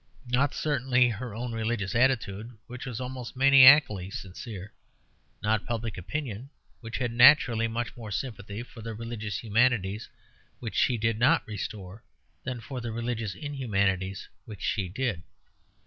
Not certainly her own religious attitude, which was almost maniacally sincere; not public opinion, which had naturally much more sympathy for the religious humanities which she did not restore than for the religious inhumanities which she did.